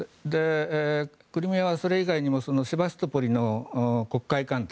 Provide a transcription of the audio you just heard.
クリミアはそれ以外にもセバストポリの黒海艦隊